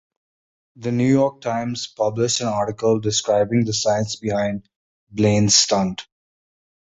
"The New York Times" published an article describing the science behind Blaine's stunt.